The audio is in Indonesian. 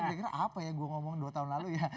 kira kira apa ya gue ngomongin dua tahun lalu ya